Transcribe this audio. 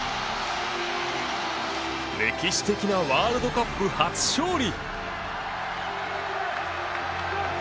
歴史的なワールドカップ初勝利。